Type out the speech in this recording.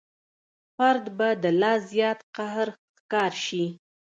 فرد به د لا زیات قهر ښکار شي.